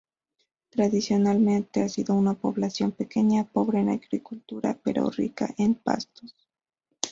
Tradicionalmente ha sido una población pequeña, pobre en agricultura, pero rica en pastos.